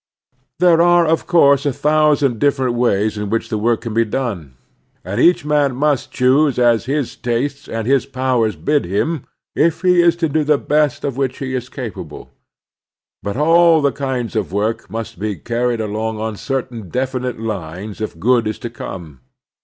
There are, of cotirse^a thousand different ways in which the work can be done, and each man must choose as his tastes and his powers bid him, if he is to do the best of which he is capable. But all the kinds of work must be carried along on cer tain definite lines if good is to come.